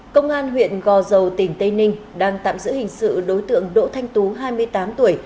công an huyện gò dầu tỉnh tây ninh đang tạm giữ hình sự đối tượng đỗ thanh tú hai mươi tám tuổi